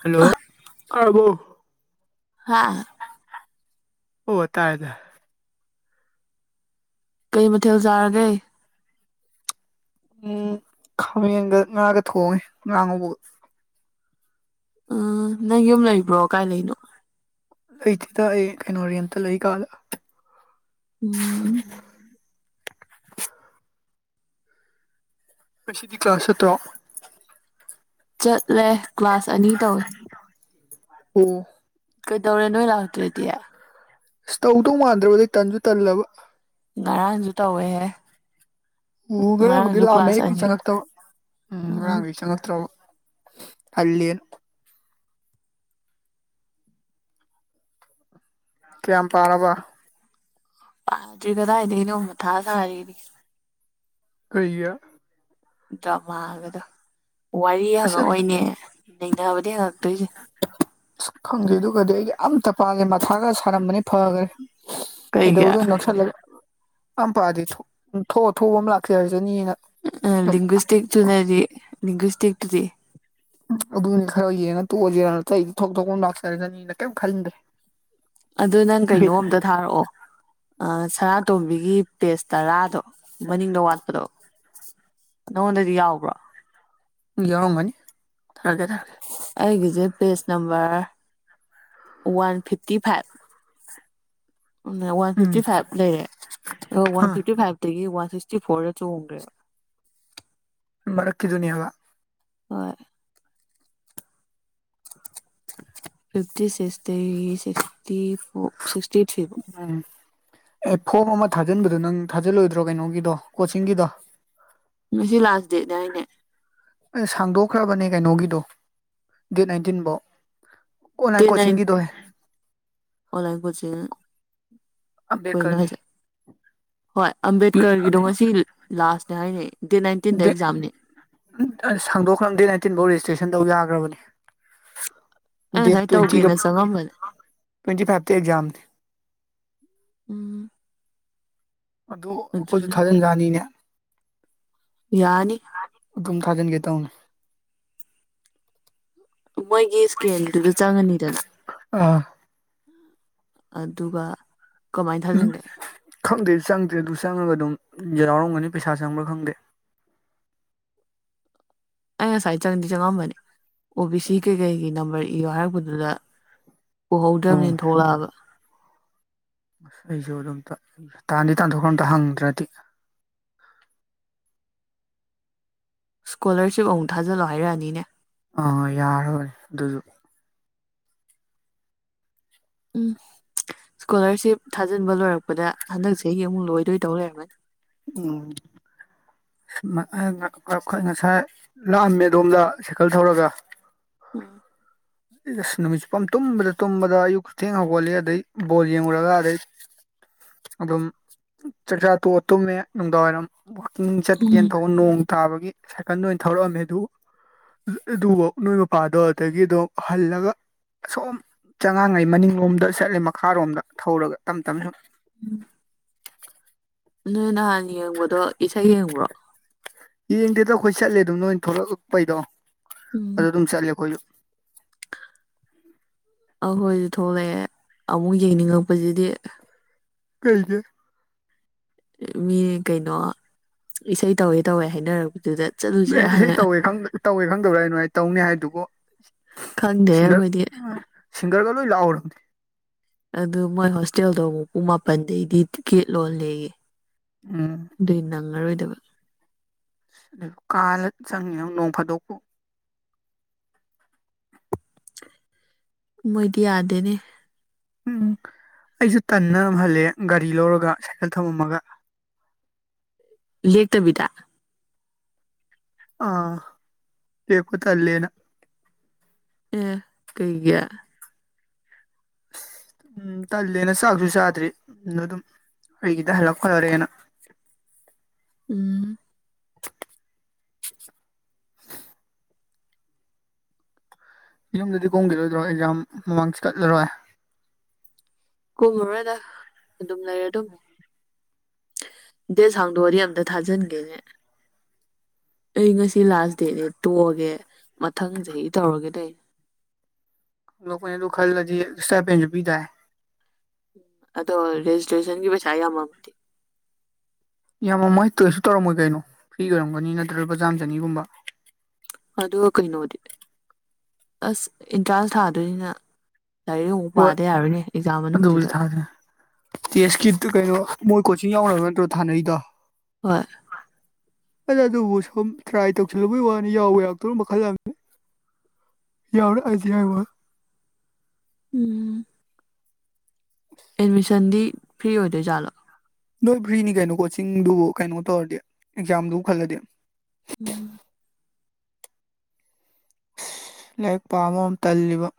hello ꯇꯥꯔꯕꯣ ꯍꯥꯥ ꯑꯣ ꯇꯥꯏꯦ ꯇꯔꯦ ꯀꯩ ꯃꯊꯦꯜ ꯆꯥꯔꯒꯦ ꯎꯝ ꯈꯥꯃꯦꯟꯒ ꯉꯥꯒ ꯊꯣꯡꯉꯦ ꯉꯥ ꯉꯧꯕ ꯎ ꯅꯪ ꯌꯨꯝ ꯂꯩꯕ꯭ꯔꯣ ꯀꯥꯏ ꯂꯩꯅꯣ ꯑꯩ ꯁꯤꯗ ꯑꯩ ꯀꯩꯅꯣ ꯔꯦꯟꯇ ꯂꯩ ꯀꯥꯗ ꯎꯝ ꯑꯩ ꯁꯤ ꯗꯤ ꯀ꯭ꯂꯥꯁ ꯆꯠꯇ꯭ꯔꯣ ꯆꯠꯂꯦ ꯀ꯭ꯂꯥꯁ ꯑꯅꯤ ꯇꯧꯋꯦ ꯎꯝ ꯀꯩꯗꯧꯔꯦ ꯅꯣꯏ ꯂꯥꯛꯇ꯭ꯔꯦꯗꯤ ꯏꯁꯇꯧꯗꯧ ꯃꯥꯟꯗ꯭ꯔꯕꯗꯩ ꯇꯟꯁꯨ ꯇꯜꯂꯕ ꯉꯔꯥꯥꯡꯖꯨ ꯇꯧꯏꯍꯦ ꯎ ꯉꯔꯥꯡꯕꯨꯗꯤ ꯂꯥꯛꯑꯝꯃꯦ ꯀ꯭ꯂꯥꯁ ꯑꯌꯨꯛꯗꯤ ꯑꯅꯤ ꯆꯪꯉꯛꯇꯕ ꯎꯝ ꯉꯔꯥꯡꯒꯤꯗꯤ ꯆꯪꯉꯛꯇ꯭ꯔꯕ ꯍꯜꯂꯤ ꯀꯌꯥꯝ ꯄꯥꯔꯕ ꯄꯥꯖꯤ ꯀꯗꯥꯏꯗꯅꯤ ꯃꯊꯥ ꯁꯔꯤꯅꯤ ꯀꯌꯥ ꯗ꯭ꯔꯃꯥꯒꯗꯣ ꯋꯥꯔꯤ ꯑꯁ ꯍꯪꯉꯛꯑꯣꯏꯅꯦ ꯅꯩꯅꯕꯗꯤ ꯍꯪꯉꯛꯇꯣꯏꯁꯦ ꯑꯁ ꯈꯪꯗꯦ ꯑꯗꯨꯒꯗꯤ ꯑꯩꯗꯤ ꯑꯇ ꯄꯜꯂꯦ ꯃꯊꯥꯒ ꯁꯥꯔꯝꯕꯅꯤ ꯐꯈ꯭ꯔꯦ ꯀꯩꯒꯤ ꯏꯗꯧꯗꯣ ꯅꯁꯥ ꯂꯩ ꯑꯝꯄꯥꯗꯤ ꯊꯣꯛ ꯊꯕ ꯑꯃ ꯂꯥꯛꯆ ꯍꯥꯏꯔꯁꯅꯤꯅ ꯂꯤꯡꯒꯨꯁꯇꯤꯛ ꯇꯨꯅꯗꯤ ꯂꯤꯡꯒꯨꯁꯇꯤꯛꯗꯤꯔꯤ ꯑꯗꯨꯅꯤ ꯈꯔ ꯌꯦꯅ ꯇꯣꯁꯦꯔ ꯑꯇꯩ ꯑꯩꯗꯤ ꯊꯣꯛ ꯊꯣꯛ ꯂꯥꯛꯆꯔꯁꯅꯤꯅ ꯀꯔꯤꯝ ꯈꯟꯗ꯭ꯔꯦ ꯑꯗꯨ ꯅꯪ ꯀꯩꯅꯣ ꯕꯤꯠ ꯑꯝꯇ ꯊꯥꯔꯛꯑꯣ ꯁꯔꯥꯇꯣꯝꯕꯤꯒꯤ ꯄꯦꯖ ꯇꯔꯥꯗꯣ ꯃꯅꯤꯡꯗ ꯋꯥꯠꯄꯗꯣ ꯅꯪꯉꯣꯟꯗꯗꯤ ꯌꯥꯎꯕ꯭ꯔꯥ ꯌꯥꯎꯔꯝꯒꯅꯤ ꯊꯔꯒꯦ ꯊꯝꯔꯒꯦ ꯑꯩꯒꯤꯁꯦ page number one fifty five uh one fifty um five ꯂꯩꯔꯦ ꯋꯥꯟ ꯑꯥ ꯐꯤꯞꯇꯤ ꯐꯥꯏꯚ ꯑꯦ ꯋꯥꯟ ꯁꯤꯛꯁꯇꯤ ꯐꯣꯔ ꯆꯣꯡ꯭ꯒꯔꯦ ꯃꯔꯛꯀꯤꯗꯨꯅꯌꯥꯕ uh fifty sixty sixty four sixty three four um ꯑꯦ ꯐꯣꯝ ꯑꯃ ꯊꯥꯖꯤꯟꯕꯗꯣ ꯅꯪ ꯊꯥꯖꯤꯜꯂꯣꯏꯗ꯭ꯔꯣ ꯀꯩꯅꯣꯒꯤꯗꯣ ꯀꯣꯆꯤꯡꯒꯤꯗꯣ ꯉꯁꯤ ꯂꯥꯁ ꯗꯦꯠꯅꯦ ꯍꯥꯏꯅꯦ ꯑꯦ ꯁꯥꯡꯗꯣꯛꯈ꯭ꯔꯕꯅꯦ ꯀꯩꯅꯣꯒꯤꯗꯣ ꯗꯦꯠ ꯅꯥꯏꯟꯇꯤꯟꯐꯧ ꯗꯦꯠ ꯑꯣꯟꯂꯥꯏꯟ ꯅꯥꯏꯟ ꯀꯣꯆꯤꯡꯒꯤꯗꯨ ꯍ [unintelligible] ꯀꯣꯏꯅꯣ ꯑꯝꯕꯦꯗꯀꯔꯒꯤ ꯍꯥꯏꯖꯦ ꯍꯣꯏ ꯑꯝꯕꯦꯗꯀꯔꯒꯤꯗꯣ ꯉꯁꯤ ꯂꯥꯁꯅꯦ ꯍꯥꯏꯅꯦ ꯗꯦꯠ ꯅꯥꯏꯟꯇꯤꯟꯗ ꯑꯦꯛꯖꯥꯝꯅꯦ ꯎ ꯁꯥꯡꯗꯣꯛꯈ꯭ꯔꯕ ꯗꯦꯠ ꯅꯥꯏꯟꯇꯤꯟ ꯐꯥꯎ ꯔꯦꯖꯤꯁꯇ꯭ꯔꯦꯁꯟ ꯇꯧ ꯌꯥꯈ꯭ꯔꯕꯅꯦ ꯑꯩ ꯗꯦꯠ ꯉꯁꯥꯏ ꯇ꯭ꯋꯦꯟ ꯇꯧꯒꯦꯅ ꯆꯪꯉꯝꯕꯅꯦ ꯇ꯭ꯋꯦꯟꯇꯤ ꯐꯥꯏꯚ ꯑꯦꯛꯖꯝ ꯎꯝ ꯑꯗꯨ ꯑꯩꯈꯣꯏꯁꯨ ꯊꯥꯖꯤꯟꯖꯅꯤꯅꯦ ꯌꯥꯅꯤ ꯇꯨꯝ ꯊꯥꯖꯟꯒꯦ ꯇꯧꯅꯦ ꯃꯣꯏꯒꯤ ꯏꯁꯀꯦꯟꯗꯨꯗ ꯆꯪꯉꯅꯤꯗꯅ ꯑ ꯑꯗꯨꯒ ꯀꯃꯥꯏꯅ ꯊꯥꯖꯤꯟꯒꯦ ꯈꯪꯗꯦ ꯆꯪꯗꯦ ꯑꯗꯨ ꯆꯪꯉꯒ ꯑꯗꯨꯝ ꯌꯥꯎꯔꯝꯒꯅꯤ ꯄꯩꯁꯥ ꯆꯪꯕ꯭ꯔꯥ ꯈꯪꯗꯦ ꯑꯩ ꯉꯁꯥꯏ ꯆꯪꯗꯤ ꯆꯪꯉꯝꯕꯅꯤ ꯑꯣ ꯕꯤ ꯁꯤ ꯀꯩꯀꯩꯒꯤ ꯅꯝꯕꯔ ꯏꯌꯣ ꯍꯥꯏꯔꯛꯄꯗꯨꯗ ꯑꯣ ꯎꯍꯧꯗ꯭ꯔꯕꯅꯦꯅ ꯊꯣꯛꯂꯛꯑꯕ ꯑꯁ ꯑꯩꯁꯨ ꯑꯗꯨꯝ ꯇꯥꯗꯤ ꯇꯥꯟꯊꯣꯛꯈ꯭ꯔ ꯑꯝꯇ ꯍꯪꯗ꯭ꯔꯗꯤ ꯁ꯭ꯀꯣꯂꯔꯁꯤꯞ ꯑꯃꯨꯛ ꯊꯥꯖꯤꯜꯂꯣ ꯍꯥꯏꯔꯛꯑꯅꯤꯅꯦ ꯑꯥ ꯌꯥꯔꯣꯏ ꯑꯗꯨꯁꯨ ꯎꯝ ꯏꯁꯀꯣꯂꯥꯔꯁꯤꯞ ꯊꯥꯖꯤꯟꯕ ꯂꯣꯏꯔꯛꯄꯗ ꯍꯟꯗꯛ ꯆꯍꯤꯒꯤ ꯑꯃꯨꯛ ꯂꯣꯏꯗꯣꯏ ꯇꯧ ꯂꯩꯔꯝꯃꯅꯤ ꯎꯝ ꯉꯁꯥꯏ ꯂꯥꯛꯑꯝꯃꯦ ꯑꯗꯣꯝꯗ ꯁꯥꯏꯀꯜ ꯊꯧꯔꯒ ꯎꯝ ꯑꯁ ꯅꯨꯃꯤꯠ ꯆꯨꯞꯄꯝ ꯇꯨꯝꯕꯗ ꯇꯨꯝꯕꯗ ꯑꯌꯨꯛꯀꯤ ꯊꯦꯡ ꯍꯧꯒꯠꯂꯤ ꯑꯗꯒꯤꯩ ꯕꯣꯜꯡꯉꯨꯔꯒ ꯑꯗꯩ ꯑꯗꯨꯝ ꯆꯛꯆꯥꯥ ꯇꯣꯛꯑ ꯇꯨꯃꯦ ꯅꯨꯡꯗꯥꯡ ꯋꯥꯏꯔꯝ ꯋꯥꯛꯀꯤꯡ ꯆꯠꯀꯦꯅ ꯇꯧꯕ ꯅꯣꯡ ꯊꯥꯕꯒꯤ ꯁꯥꯏꯀꯜꯗ ꯑꯣꯏꯅ ꯊꯧꯔꯛꯑꯝꯃꯦ ꯑꯗꯨ ꯑꯗꯨ ꯅꯣꯏ ꯃꯄꯥꯗꯣ ꯑꯗꯨꯗꯒꯤꯗꯣ ꯍꯜꯂꯒ ꯑꯁꯣꯝ ꯆꯉꯥꯡꯅꯏ ꯃꯅꯤꯡꯂꯣꯝꯗ ꯆꯠꯂꯤ ꯃꯈꯥꯔꯣꯝꯗ ꯊꯧꯔꯒ ꯇꯞ ꯇꯞꯅ ꯁꯨꯝ ꯅꯣꯏ ꯅꯍꯥꯟ ꯌꯦꯡꯕꯗꯣ ꯏꯁꯩ ꯌꯦꯡꯕ꯭ꯔꯣ ꯌꯦꯡꯗꯦꯗ ꯑꯩꯈꯣꯏ ꯆꯠꯂꯦ ꯑꯗꯨꯝ ꯅꯣꯏꯅ ꯊꯣꯛꯂꯛꯂꯛꯄꯩꯗꯣ ꯑꯗꯨꯗ ꯑꯗꯨꯝ ꯆꯠꯂꯦ ꯑꯩꯈꯣꯏꯁꯨ ꯑꯍꯣꯏꯁꯨ ꯊꯣꯛꯂꯛꯑꯦ ꯑꯃꯨꯛ ꯌꯦꯡꯅꯤꯡꯉꯛꯄꯁꯤꯗꯤ ꯀꯩꯗꯦ ꯃꯤ ꯀꯩꯅꯣ ꯏꯁꯩ ꯇꯧꯋꯦ ꯇꯧꯋꯦ ꯍꯥꯏꯅꯔꯛꯄꯗꯨꯗ ꯆꯠꯂꯨꯁꯦ ꯏꯁꯩ ꯍꯥꯟꯅ ꯇꯧꯋꯦ ꯇꯧꯋꯦ ꯈꯪꯗꯕꯔ ꯑꯩ ꯑꯗꯨꯃꯥꯏꯅ ꯇꯧꯅꯤ ꯍꯥꯏꯗꯨꯕꯨ ꯈꯪꯗꯦ ꯁꯤꯔ ꯑꯩꯈꯣꯏꯗꯤ ꯁꯤꯁꯤꯡꯒꯔꯒ ꯂꯣꯏ ꯂꯥꯛꯍꯧꯔ ꯑꯗꯨ ꯃꯣꯏ ꯍꯣꯁꯇꯦꯜꯗꯣ ꯑꯃꯨꯛ ꯄꯨꯡ ꯃꯥꯄꯟꯗꯩꯗꯤ ꯒꯦꯠ ꯂꯣꯜꯂꯦꯌꯦ ꯑ ꯑꯗꯨꯏ ꯅꯪꯉꯔꯣꯏꯗꯕ ꯑꯗꯨ ꯀꯥꯂ ꯆꯪꯉꯤꯅꯪ ꯅꯣꯡ ꯐꯥꯗꯣꯛꯄꯨ ꯃꯣꯏꯗꯤ ꯌꯥꯗꯦꯅꯦ ꯎꯝ ꯑꯩꯁꯨ ꯇꯟꯅꯝ ꯍꯜꯂꯦ ꯒꯥꯔꯤ ꯂꯧꯔꯒ ꯁꯥꯏꯀꯜ ꯊꯝꯃꯃꯒ ꯂꯦꯛꯇꯕꯤꯗ ꯑꯥ ꯆꯦ ꯇꯂꯦꯅ ꯑꯦ ꯀꯩꯒꯤ ꯎꯝ ꯇꯜꯂꯦꯅ ꯆꯥꯛꯁꯨ ꯆꯥꯗ꯭ꯔꯤ ꯑꯗꯨꯝ ꯑꯩꯒꯤꯗ ꯍꯜꯂꯛ ꯈꯣꯠꯂꯔꯦꯅ ꯎꯝ ꯌꯨꯝꯗꯗꯤ ꯀꯣꯡꯝꯈꯤꯔꯣꯏꯗ꯭ꯔꯣ ꯑꯦꯛꯖꯥ ꯃꯃꯥꯡꯁꯨ ꯀꯠꯂꯔꯣꯏ ꯀꯨꯝꯕꯔꯗ ꯑꯗꯨꯝ ꯂꯩꯔꯦ ꯑꯗꯨꯝ ꯗꯦ ꯁꯥꯡꯗꯣꯑꯗꯤ ꯑꯝꯇ ꯊꯥꯖꯤꯟꯒꯦꯅꯦ ꯑꯩ ꯉꯁꯤ ꯂꯥꯁ ꯗꯦꯠꯅꯦ ꯇꯣꯛꯑꯒꯦ ꯃꯊꯪ ꯆꯍꯤ ꯇꯧꯔꯒꯦ ꯇꯩꯅꯦ ꯂꯣꯏꯅꯦ ꯑꯗꯨ ꯈꯜꯂꯗꯤ ꯁꯇꯥꯄꯦꯟꯁꯨ ꯄꯤ ꯇꯥꯏ ꯑꯗꯣ ꯔꯦꯖꯤꯁꯇ꯭ꯔꯦꯁꯟꯒꯤ ꯄꯩꯁꯥ ꯌꯥꯝꯃ ꯌꯥꯝ ꯃꯃꯣꯏ ꯇꯣꯏꯦꯁꯨ ꯇꯧꯔꯝꯃꯣꯏ ꯀꯩꯅꯣ ꯐ꯭ꯔꯤ ꯑꯣꯏꯔꯝꯒꯅꯤ ꯅꯠꯇ꯭ꯔ ꯂꯨꯄ ꯆꯥꯝ ꯆꯅꯤꯒꯨꯝꯕ ꯑ ꯀꯩꯅꯣꯗꯤ ꯑꯁ ꯏꯟꯇ꯭ꯔꯥꯟ ꯊꯥꯗꯣꯏꯅꯤꯅ ꯂꯥꯏꯔꯤꯛ ꯍꯕ ꯍꯣꯏ ꯄꯥꯗ ꯌꯥꯔꯣꯏꯅꯦ ꯑꯦꯛꯖꯥꯝ ꯑꯗꯨꯕꯨꯗꯤ ꯃꯅꯨꯡꯁꯤꯗ ꯊꯥꯗꯦ ꯇꯦꯁꯀꯤ ꯀꯩꯅꯣ ꯃꯣꯏ ꯀꯣꯆꯤꯡ ꯌꯥꯎꯅꯕ ꯅꯠꯇ꯭ꯔꯣ ꯊꯥꯅꯔꯤꯗꯣ ꯍꯣꯏ ꯑꯗ ꯑꯗꯨꯕꯨ ꯁꯨꯝ ꯇ꯭ꯔꯥꯏ ꯇꯧꯁꯤꯜꯂꯨꯕꯒꯤ ꯋꯥꯅꯤ ꯌꯥꯎꯋ ꯌꯥꯎꯛꯇ ꯃꯈꯜ ꯌꯥꯎꯔꯛꯑꯁꯦ ꯍꯥꯢꯋ ꯎꯝ ꯑꯦꯠꯃꯤꯁꯟꯗꯤ ꯐ꯭ꯔꯤ ꯑꯣꯏꯗꯣꯏ ꯖꯥꯠꯂꯣ ꯅꯣꯏ ꯐ꯭ꯔꯤꯅꯤ ꯀꯩꯅꯣ ꯀꯣꯆꯤꯡꯗꯨꯕꯨ ꯀꯩꯅꯣ ꯇꯧꯔꯗꯤ ꯑꯦꯛꯖꯥꯝꯗꯨꯕꯨ ꯈꯜꯂꯗꯤ ꯎꯝ ꯂꯥꯏꯔꯤꯛ ꯄꯥꯝꯕꯝ ꯇꯜꯂꯤꯕ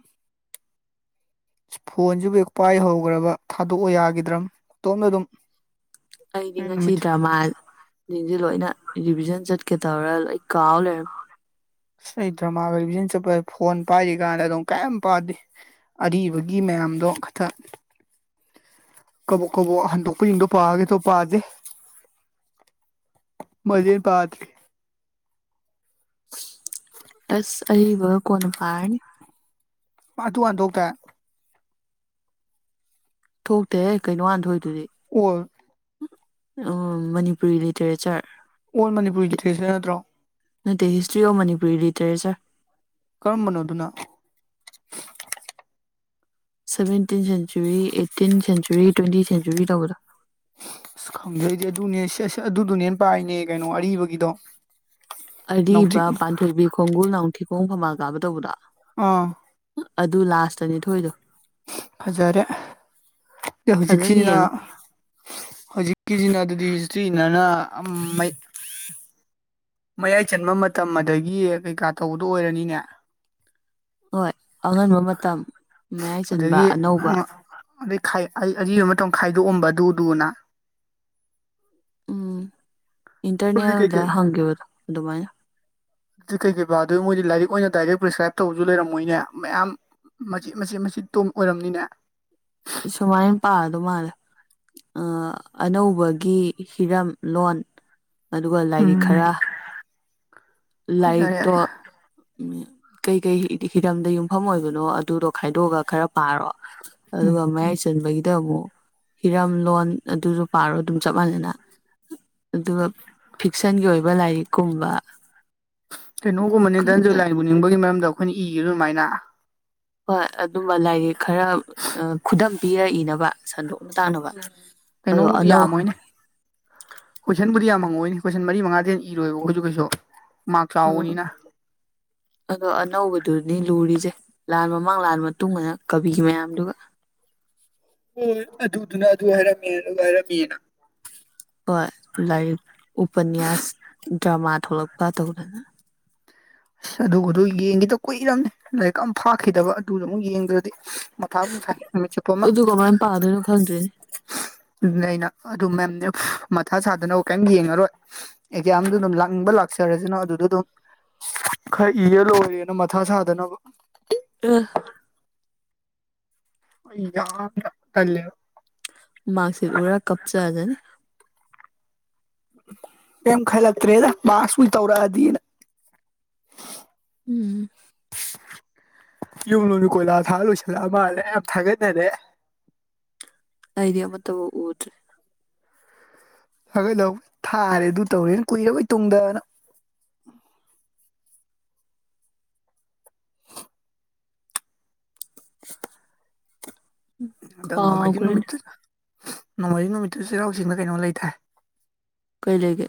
ꯐꯣꯟꯁꯤꯕꯨ ꯍꯦꯛ ꯄꯥꯏꯍꯧꯈꯒꯔꯕ ꯊꯥꯗꯣꯛꯑꯣ ꯌꯥꯈꯤꯗ꯭ꯔꯥ ꯢꯇꯣꯝꯇ ꯑꯗꯨꯝ ꯑꯩꯗꯤ ꯉꯁꯤ ꯅꯨꯃꯤꯠ ꯗ꯭ꯔꯃꯥ ꯁꯤꯡꯁꯦ ꯂꯣꯏꯅ ꯔꯤꯚꯤꯖꯟ ꯆꯠꯀꯦ ꯇꯧꯔꯦ ꯂꯣꯏ ꯀꯥꯎ ꯂꯩꯔꯝ ꯑꯩ ꯗ꯭ꯔꯃꯥꯒ ꯔꯤꯚꯤꯖꯟ ꯆꯠꯄ ꯐꯣꯟ ꯄꯥꯏꯔꯤꯀꯥꯟꯗ ꯑꯗꯨꯝ ꯀꯩꯝ ꯄꯥꯗꯦ ꯑꯔꯤꯕꯒꯤ ꯃꯌꯥꯝꯗꯣ ꯈꯊ ꯀꯕꯣꯛ ꯀꯕꯣꯛ ꯍꯟꯗꯣꯛꯄꯖꯤꯡꯗꯣ ꯄꯥꯒꯦ ꯇꯧ ꯄꯥꯗꯦ ꯑꯃꯗꯩ ꯍꯦꯟ ꯄꯥꯗ꯭ꯔꯤ ꯑꯁ ꯑꯔꯤꯕꯒ ꯀꯣꯟꯅ ꯄꯥꯔꯅꯤ ꯄꯥꯠ ꯋꯥꯟ ꯊꯣꯛꯇꯥꯏ ꯊꯣꯛꯇꯦꯍꯦ ꯀꯩꯅꯣ ꯍꯥꯟ ꯊꯣꯛꯏꯗꯨꯗꯤ all um Manipuri literature on Manipuri literature ꯅꯠꯇ꯭ꯔꯣ ꯅꯠꯇꯦꯍꯦ ꯍꯤꯁꯇ꯭ꯔꯤ ꯑꯣꯐ ꯃꯅꯤꯄꯨꯔꯤ ꯂꯤꯇꯔꯦꯆ꯭ꯔ ꯀꯔꯝꯕꯅꯣ ꯑꯗꯨꯅ seventeen century eighteen century twenty century ꯇꯧꯕꯗꯣ ꯑꯁ ꯈꯪꯗꯦ ꯑꯩꯗꯤ ꯑꯗꯨꯅꯦ ꯁꯦ ꯁꯦ ꯑꯗꯨꯗꯨꯅꯦ ꯄꯥꯏꯅꯦ ꯀꯩꯅꯣ ꯑꯔꯤꯕꯒꯤꯗꯣ ꯑꯔꯤꯕ ꯅꯥꯎꯊꯤꯛ ꯄꯥꯟꯊꯣꯏꯕꯤ ꯈꯣꯡꯒꯨꯜ ꯅꯥꯎꯊꯤꯈꯣꯡ ꯐꯝꯕꯥꯜ ꯀꯥꯕ ꯇꯧꯕꯗꯣ ꯑ ꯑꯗꯨ ꯂꯥꯁꯇꯅꯤ ꯊꯣꯛꯏꯗꯣ ꯐꯖꯔꯦ ꯐꯖꯅ ꯍꯧꯖꯤꯛꯁꯤꯅ ꯌꯦꯡꯉꯨ ꯍꯧꯖꯤꯛꯀꯤꯁꯤꯅ ꯑꯗꯨꯗꯤ ꯍꯤꯁꯇ꯭ꯔꯤꯅꯅ ꯑꯝ ꯃꯩ ꯃꯌꯥꯏ ꯆꯟꯕ ꯃꯇꯝ ꯑꯗꯒꯤ ꯀꯩꯀꯥ ꯇꯧꯕꯗꯣ ꯑꯣꯏꯔꯅꯤꯅꯦ ꯍꯣꯏ ꯑꯉꯟꯕ ꯃꯇꯝ ꯃꯌꯥꯏ ꯆꯟꯕ ꯑꯗꯒꯤ ꯑꯅꯧꯕ ꯑꯗꯩ ꯈꯥꯏ ꯑꯩ ꯑꯔꯤꯕ ꯃꯇꯝ ꯈꯥꯏꯗꯣꯛꯑꯝꯕ ꯑꯗꯨ ꯗꯨꯅ ꯎꯝ ꯍꯧꯖꯤꯛ ꯏꯟꯇ꯭ꯔꯅꯦꯜꯗ ꯀꯩꯀꯩ ꯍꯪꯒꯤꯕꯗꯣ ꯑꯗꯨꯃꯥꯏꯅ ꯑꯗꯨ ꯀꯩ ꯀꯩꯥ ꯄꯥꯗꯣꯏꯕ ꯃꯣꯏꯗꯤ ꯂꯥꯏꯔꯤꯛ ꯑꯣꯏꯅ ꯗꯥꯏꯔꯦꯛ ꯄ꯭ꯔꯤꯁꯀ꯭ꯔꯥꯏꯞ ꯇꯧꯕꯖꯨ ꯂꯩꯔꯝꯃꯣꯏꯅꯦ ꯃꯌꯥꯝ ꯃꯆꯤꯠ ꯃꯆꯤꯠ ꯃꯆꯤꯠ ꯇꯨꯝ ꯑꯣꯏꯔꯝꯅꯤꯅꯦ ꯁꯨꯃꯥꯏ ꯄꯥꯒꯗꯧ ꯃꯥꯜꯂꯦ ꯑ ꯑꯅꯧꯕꯒꯤ ꯍꯤꯔꯝ ꯂꯣꯟ ꯑꯗꯨꯒ ꯂꯥꯏꯔꯤꯛ ꯎꯝ ꯈꯔ ꯐꯖꯔꯦ ꯂꯥꯢꯔꯤꯛꯇꯣ ꯎꯝ ꯀꯩꯀꯩ ꯍꯤꯔꯝꯗ ꯌꯨꯝꯐꯝ ꯑꯣꯏꯕꯅꯣ ꯑꯗꯨꯗꯣ ꯈꯥꯏꯗꯣꯛꯑꯒ ꯈꯔ ꯄꯥꯔꯣ ꯑꯗꯨꯒ ꯃꯌꯥꯏ ꯆꯟꯕꯒꯤ ꯗꯃꯨꯛ ꯍꯤꯔꯝ ꯂꯣꯟ ꯑꯗꯨꯖꯨ ꯄꯥꯔꯣ ꯑꯗꯨꯝ ꯆꯞ ꯃꯥꯟꯅꯅ ꯑꯗꯨꯒ ꯐꯤꯛꯁꯟꯒꯤ ꯑꯣꯏꯕ ꯂꯥꯏꯔꯤꯛꯀꯨꯝꯕ ꯀꯩꯅꯣꯒꯨꯝꯕꯅꯤ ꯙꯅꯟꯖꯣꯏ ꯈꯪꯗꯦ ꯂꯥꯏꯟꯕꯨ ꯅꯤꯡꯕꯒꯤ ꯃꯔꯝꯗ ꯑꯩꯈꯣꯏꯅ ꯏꯒꯤꯕꯗꯣ ꯑꯗꯨꯃꯥꯏꯅ ꯍꯣꯏ ꯑꯗꯨꯝꯕ ꯂꯥꯏꯔꯤꯛ ꯈꯔ ꯑ ꯈꯨꯗꯝ ꯄꯤꯔ ꯏꯅꯕ ꯁꯟꯗꯣꯛ ꯇꯥꯛꯅꯕ ꯑꯗꯣ ꯀꯩꯅꯣꯕꯨꯗꯤ ꯑꯅꯧ ꯌꯥꯝꯃꯣꯏꯅꯦ ꯀꯣꯏꯁꯟꯕꯨꯗꯤ ꯌꯥꯝ ꯍꯪꯉꯛꯑꯣꯏꯅꯦ ꯀꯣꯏꯁꯟ ꯃꯔꯤ ꯃꯉꯥꯗꯩ ꯍꯦꯟꯅ ꯏꯔꯣꯏꯕ ꯑꯩꯈꯣꯏꯖꯨ ꯀꯩꯁꯨ ꯃꯥꯛ ꯆꯥꯎꯕꯅꯤꯅ [inaudible] ꯑꯒꯣ ꯑꯅꯧꯕꯗꯨꯅꯤ ꯂꯨꯔꯤꯁꯦ ꯂꯥꯟ ꯃꯃꯥꯡ ꯂꯥꯟ ꯃꯇꯨꯡꯑꯅ ꯀꯕꯤ ꯃꯌꯥꯝꯗꯨꯒ ꯍꯣꯏ ꯑꯗꯨꯗꯨꯅ ꯑꯗꯨ ꯍꯥꯏꯔꯝꯃꯦ ꯑꯗꯨ ꯍꯥꯏꯔꯝꯃꯦꯅ ꯍꯣꯏ ꯂꯥꯏꯔꯤꯛ ꯎꯄꯅꯤꯌꯥꯁ ꯗ꯭ꯔꯃꯥ ꯊꯣꯛꯂꯛꯄ ꯇꯧꯗꯅ ꯑꯁ ꯑꯗꯨꯒꯗꯨ ꯌꯦꯡꯒꯤꯗ ꯀꯨꯏꯔꯝꯅꯤ ꯂꯥꯏꯔꯤꯛ ꯑꯝ ꯐꯥꯛꯈꯤꯗꯕ ꯑꯗꯨꯖꯨ ꯑꯃꯨꯛ ꯌꯦꯡꯗ꯭ꯔꯗꯤ ꯃꯊꯥꯕꯨ ꯁꯥꯏ ꯅꯨꯃꯤꯠ ꯆꯨꯞꯄ ꯑꯃꯥ ꯑꯗꯨ ꯀꯃꯥꯏꯅ ꯄꯥꯗꯣꯏꯅꯣ ꯈꯪꯗ꯭ꯔꯦꯅꯦ ꯑꯗꯨꯅꯦ ꯑꯩꯅ ꯑꯗꯨ ꯃꯦꯝꯅꯦ ꯃꯊꯥ ꯁꯥꯗꯅꯕ ꯀꯩꯝ ꯌꯦꯡꯉꯔꯣꯏ ꯑꯦꯛꯖꯥꯝꯗ ꯑꯗꯨꯝ ꯂꯥꯛꯅꯤꯡꯕ ꯂꯥꯛꯆꯔꯖꯅꯨ ꯑꯗꯨꯗ ꯑꯗꯨꯝ ꯈꯔ ꯏꯔ ꯂꯣꯏꯔꯦꯅ ꯃꯊꯥ ꯁꯥꯗꯅꯕ ꯑ ꯑꯩ ꯌꯥꯝꯅ ꯇꯜꯂꯦꯕ ꯃꯥꯥꯛꯁꯤꯠ ꯎꯔ ꯀꯞꯆꯖꯅꯤ ꯀꯩꯝ ꯈꯜꯂꯛꯇ꯭ꯔꯦꯗ ꯄꯥꯁꯄꯨꯏ ꯇꯧꯔꯛꯑꯗꯤꯅ ꯎꯝ ꯌꯨꯝ ꯂꯣꯝꯗꯥ ꯀꯣꯏꯂꯥ ꯊꯥ ꯂꯣꯏꯁꯜꯂꯛꯑ ꯃꯥꯜꯂꯦ ꯌꯥꯝ ꯊꯥꯒꯠꯅꯔꯛꯑꯦ ꯑꯩꯗꯤ ꯑꯃꯇꯕꯨ ꯎꯗ꯭ꯔꯤ ꯊꯥꯒꯠꯍꯧꯕꯅꯤ ꯊꯥꯔꯦ ꯑꯗꯨ ꯇꯧꯔꯦꯅ ꯀꯨꯏꯔꯕꯩ ꯇꯨꯡꯗꯅ ꯍꯟꯗꯛ ꯅꯣꯡꯃꯥꯏꯖꯤꯡ ꯀꯥꯎꯈ꯭ꯔꯦꯅꯦ ꯅꯨꯃꯤꯠꯇ ꯅꯣꯡꯃꯥꯏꯖꯤꯡ ꯅꯨꯃꯤꯠꯇ ꯆꯩꯔꯥꯎ ꯆꯤꯡꯗ ꯀꯩꯅꯣ ꯂꯩꯗꯥꯏ ꯀꯩ ꯂꯩꯒꯦ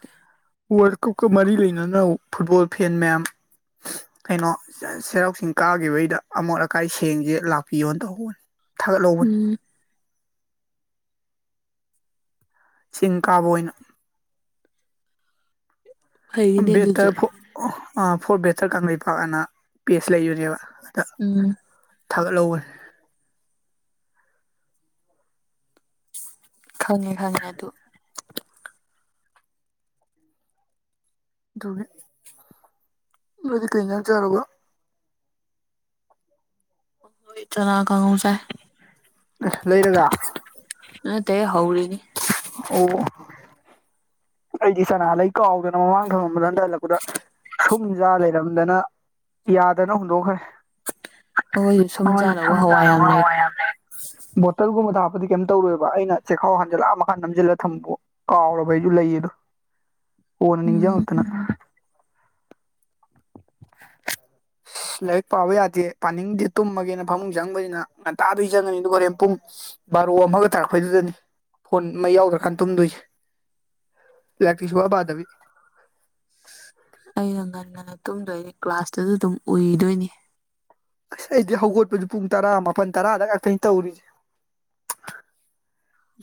ꯋꯥꯔꯜꯗ ꯀꯞꯀ ꯃꯔꯤ ꯂꯩꯅꯅ ꯐꯨꯠꯕꯣꯜ ꯐꯦꯟ ꯃꯌꯥꯝ ꯀꯩꯅꯣ ꯆꯦꯔꯥꯎꯆꯤꯡ ꯀꯥꯈꯤꯕꯩꯗ ꯑꯃꯣꯠ ꯑꯀꯥꯏ ꯁꯦꯡꯖꯦ ꯂꯥꯛꯄꯤꯌꯣꯅ ꯇꯧꯍꯧꯕꯅꯦ ꯊꯥꯒꯠꯍꯧꯕꯅꯦ ꯎꯝ ꯆꯤꯡ ꯀꯥꯕ ꯑꯣꯏꯅ ꯐꯩꯅꯦ ꯑꯗꯨꯁꯨ ꯕꯦꯠꯇꯔ ꯐꯣꯔ ꯕꯦꯠꯇꯔ ꯀꯪꯂꯩꯄꯥꯛ ꯑꯥꯅ ꯄꯦꯁ ꯂꯩꯕꯅꯦꯕ ꯑꯗꯥ ꯎꯝ ꯊꯥꯒꯠꯍꯧꯕꯅꯤ ꯈꯪꯉꯦ ꯈꯪꯉꯦ ꯑꯗꯨ ꯑꯗꯨꯒꯤ ꯅꯣꯏꯗꯤ ꯀꯩꯖꯥꯡ ꯆꯥꯔꯕꯥ ꯆꯅꯥ ꯀꯥꯡꯒꯧ ꯆꯥꯏ ꯂꯩꯔꯒ ꯅꯠꯇꯦ ꯍꯧꯔꯤꯅꯤ ꯑꯣ ꯑꯩꯗꯤ ꯁꯅꯥꯍ ꯂꯩ ꯀꯥꯎꯗꯅ ꯃꯃꯥꯡ ꯊꯪꯂꯝꯕꯗ ꯍꯟꯊ ꯍꯜꯂꯛꯄꯗ ꯁꯨꯝ ꯖꯥ ꯂꯩꯔꯝꯗꯅ ꯌꯥꯗꯗꯅ ꯍꯨꯟꯗꯣꯛꯈ꯭ꯔꯦ ꯍꯣꯏ ꯁꯨꯝ ꯆꯥꯗꯧꯕ ꯍꯋꯥꯥꯢ ꯌꯥꯝ ꯂꯩ ꯕꯇꯜꯒꯨꯝꯕ ꯊꯞꯄ ꯀꯩꯝ ꯇꯧꯔꯣꯏꯕ ꯆꯦꯛꯈꯥꯎ ꯍꯟꯖꯤꯜꯂ ꯅꯝꯖꯤꯜꯂ ꯊꯝꯕꯝꯕꯣ ꯀꯥꯎꯔꯕ ꯑꯩꯁꯨ ꯂꯩꯌꯦꯗꯣ ꯀꯣꯟꯅ ꯎꯝ ꯅꯤꯡꯖꯤꯡꯉꯛꯇꯅ [unintelligible] ꯂꯥꯏꯔꯤꯛ ꯄꯥꯕ ꯌꯥꯗꯦ ꯄꯥꯅꯤꯡꯗꯦ ꯇꯨꯝꯃꯒꯦꯅ ꯐꯃꯨꯡ ꯆꯪꯕꯅꯤꯅ ꯉꯟꯇꯥꯗꯩ ꯆꯪꯉꯅꯤ ꯑꯗꯨ ꯍꯣꯔꯦꯟ ꯄꯨꯡ ꯕꯥꯔꯣ ꯑꯃꯒ ꯇꯥꯔꯛꯄꯩꯗꯨꯗꯅꯤ ꯐꯣꯟ ꯃꯩ ꯌꯥꯎꯗ꯭ꯔꯀꯥꯟ ꯇꯨꯝꯗꯣꯏꯁꯦ ꯂꯥꯏꯔꯤꯛꯇꯤ ꯁꯨꯡꯄꯥ ꯄꯥꯗꯕꯤ ꯑꯩꯅ ꯉꯟꯅ ꯉꯟꯅ ꯇꯨꯝꯗꯣꯏꯅꯤ ꯀ꯭ꯂꯥꯁꯇꯁꯨ ꯑꯗꯨꯝ ꯎꯨꯏꯗꯣꯏꯅꯤ ꯑꯁ ꯑꯩꯗꯤ ꯍꯧꯒꯠꯄꯁꯨ ꯄꯨꯡ ꯇꯔꯥ ꯃꯥꯄꯜ ꯇꯔꯥꯗ ꯉꯥꯛꯇꯅꯤ ꯇꯧꯔꯤꯁꯦ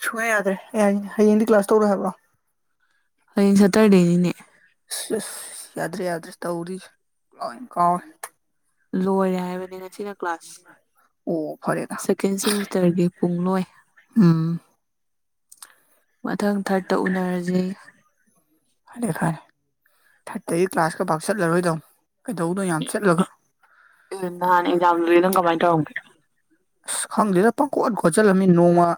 ꯁꯨꯡꯌꯥ ꯌꯥꯗ꯭ꯔꯦ ꯍꯌꯦꯡꯗꯤ ꯀ꯭ꯂꯥꯁ ꯇꯧꯔꯣꯢ ꯍꯥꯏꯕ꯭ꯔꯣ ꯍꯌꯦꯡ ꯁꯇꯔꯗꯦꯅꯤꯅꯦ ꯑꯁ ꯑꯁ ꯌꯥꯗ꯭ꯔꯦ ꯌꯥꯗ꯭ꯔꯦ ꯇꯧꯔꯤꯁꯦ ꯂꯣꯢ ꯀꯥꯎꯋꯦ ꯂꯣꯏꯔꯦ ꯍꯥꯏꯕꯅꯤ ꯉꯁꯤꯅ ꯀ꯭ꯂꯥꯁ ꯑꯣ ꯐꯔꯦꯗ ꯁꯦꯀꯦꯟ ꯁꯦꯃꯤꯁꯇꯔꯒꯤ ꯄꯨꯡ ꯂꯣꯏ ꯎꯝ ꯃꯊꯪ ꯊꯥꯔꯇ ꯎꯅꯔꯁꯤ ꯐꯔꯦ ꯐꯔꯦ ꯊꯥꯔꯇꯒꯤ ꯀ꯭ꯂꯥꯁꯀ ꯐꯥꯛ ꯆꯠꯂꯔꯣꯏꯗ ꯀꯩꯗꯧꯗꯣꯢꯅꯣ ꯌꯥꯝ ꯆꯠꯂꯒ ꯅꯍꯥꯜ ꯑꯦꯛꯖꯥꯝꯗꯨꯗꯤ ꯀꯃꯥꯏ ꯇꯧꯔꯝꯒꯦ ꯑꯁ ꯈꯪꯗꯦꯗ ꯄꯪ ꯀꯣꯠ ꯈꯣꯠꯆꯜꯂꯝꯃꯤ ꯅꯣꯡꯃꯥ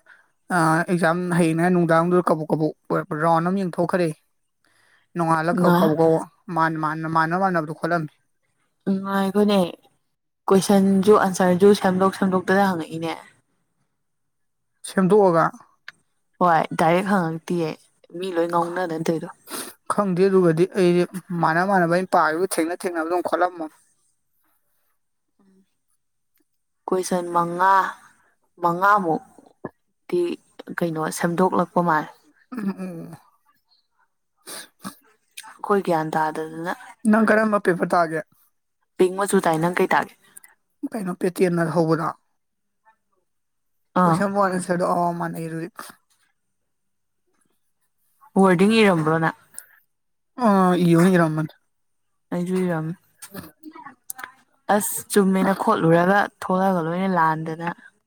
ꯑꯦꯛꯖꯥꯝ ꯍꯌꯦꯡꯉꯥꯏ ꯅꯨꯡꯗꯥꯡꯗꯨꯗ ꯀꯕꯣꯛ ꯀꯕꯣꯛꯔꯛꯄ ꯔꯥꯎꯟ ꯑꯃ ꯌꯦꯡꯊꯣꯛꯈ꯭ꯔꯦ ꯅꯣꯡꯉꯥꯜꯂꯒ ꯀꯧꯕ ꯃꯥꯟꯅꯕ ꯃꯥꯟꯅꯕꯗꯣ ꯈꯣꯠꯂꯝꯃꯤ ꯅꯨꯡꯉꯥꯢꯕꯅꯦ ꯀꯣꯏꯁꯟꯁꯨ ꯑꯟꯁꯔꯁꯨ ꯁꯦꯝꯗꯣꯛ ꯁꯦꯝꯗꯛꯇꯗ ꯍꯪꯉꯛꯏꯅꯦ ꯁꯦꯝꯗꯣꯛꯑꯒ ꯍꯣꯏ ꯗꯥꯏꯔꯦꯛ ꯍꯪꯉꯛꯇꯦꯌꯦ ꯃꯤ ꯂꯣꯏ ꯉꯧꯅꯗꯅ ꯇꯧꯔꯤꯗꯣ ꯈꯪꯗꯦ ꯑꯗꯨꯒꯗꯤ ꯑꯩꯗꯤ ꯃꯥꯟꯅ ꯃꯥꯟꯅꯕ ꯑꯩꯅ ꯄꯥꯕ ꯊꯦꯡꯅ ꯊꯦꯡꯅꯕ ꯑꯗꯨꯧ ꯈꯣꯠꯂꯝꯃ ꯎꯝ ꯀꯣꯏꯁꯟ ꯃꯉꯥ ꯃꯉꯥꯃꯨꯛ ꯗꯤ ꯀꯩꯅꯣ ꯁꯦꯝꯗꯣꯛꯂꯛꯄ ꯃꯥꯜꯂꯦ ꯑꯣ ꯑꯣ ꯑꯩꯈꯣꯏ ꯒ꯭ꯌꯥꯟ ꯇꯥꯗꯗꯅ ꯅꯪ ꯀꯔꯝꯕ ꯄꯦꯕꯔ ꯇꯥꯒꯦ ꯄꯦꯡ ꯃꯆꯨꯥꯏ ꯅꯪ ꯀꯩ ꯇꯥꯒꯦ ꯀꯩꯅꯣ ꯄꯦꯇꯅ ꯊꯧꯕꯗ ꯑꯥ ꯀꯣꯏꯁꯟ ꯗ ꯃ ꯑꯣꯔꯤꯉꯔꯕꯣꯅ ꯑ ꯏꯣꯅꯤ ꯔꯍꯃꯟ ꯑꯩꯖꯨꯣꯏꯔꯝ ꯎ ꯑꯁ ꯆꯨꯝꯃꯦꯅ ꯈꯣꯠꯂꯨꯔꯒ ꯊꯂꯒ ꯂꯣꯏꯅ ꯂꯥꯟꯗꯅ